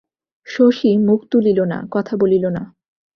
শশী মুখ তুলিল না, কথা বলিল না।